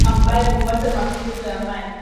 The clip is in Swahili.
Maeneo ambayo hupata mafuriko ya maji